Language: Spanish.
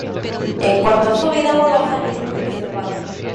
En cuanto a su vida amorosa es muy reservado.